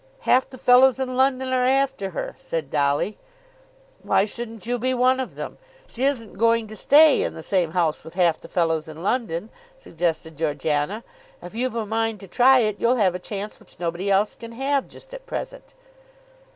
"Half the fellows in London are after her," said Dolly. "Why shouldn't you be one of them?" "She isn't going to stay in the same house with half the fellows in London," suggested Georgiana. "If you've a mind to try it you'll have a chance which nobody else can have just at present."